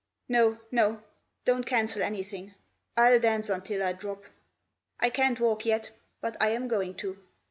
No no don't cancel anything. I'll dance until I drop. I can't walk yet, but I'm going to.